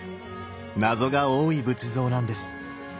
謎が多い仏像なんです。